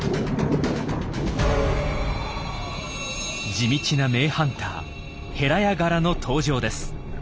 地道な名ハンターヘラヤガラの登場です。